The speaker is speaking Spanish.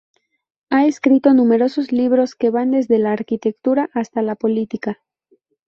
Ha escrito numerosos libros, que van desde la arquitectura hasta la política.